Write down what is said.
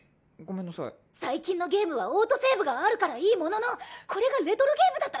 最近のゲームはオートセーブがあるからいいもののこれがレトロゲームだったら大変だぞ！？